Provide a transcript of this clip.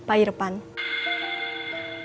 tanpa persetujuan pak irfan